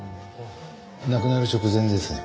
亡くなる直前ですね。